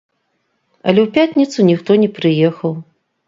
Але ў пятніцу ніхто не прыехаў.